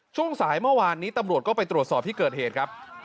ช่วงสายเมื่อวานนี้ตำรวจก็ไปตรวจสอบที่เกิดเหตุครับ